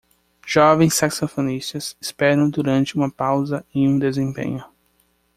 Jovens saxofonistas esperam durante uma pausa em um desempenho